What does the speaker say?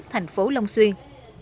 thành phố long xuyên